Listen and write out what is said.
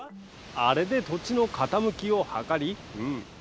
あれで土地の傾きを測りうん。